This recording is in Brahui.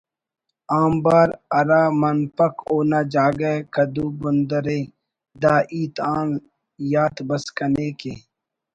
آنبار ”ہرا منپک اونا جاگہ گدو بندر ءِ“ دا ہیت آن یات بس کنے کہ